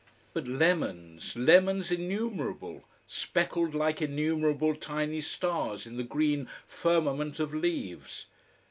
But lemons, lemons, innumerable, speckled like innumerable tiny stars in the green firmament of leaves.